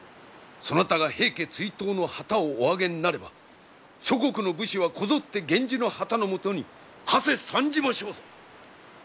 そなたが平家追討の旗をおあげになれば諸国の武士はこぞって源氏の旗の下にはせ参じましょうぞ！